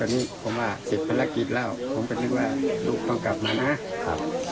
ตอนนี้ผมว่าเสร็จภารกิจแล้วผมก็นึกว่าลูกต้องกลับมานะครับ